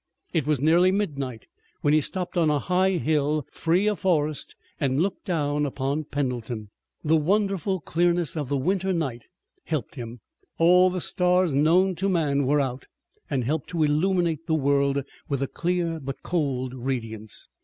It was nearly midnight when he stopped on a high hill, free of forest, and looked down upon Pendleton. The wonderful clearness of the winter night helped him. All the stars known to man were out, and helped to illuminate the world with a clear but cold radiance.